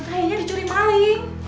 kayaknya dicuri maling